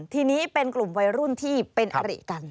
ทีนี้เป็นกลุ่มวัยรุ่นที่เป็นอริกัน